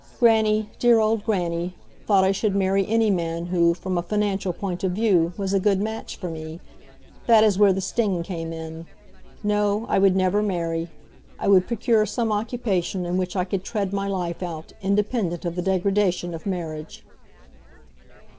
Grannie, dear old grannie, thought I should marry any man who, from a financial point of view, was a good match for me. That is where the sting came in. No, I would never marry. I would procure some occupation in which I could tread my life out, independent of the degradation of marriage.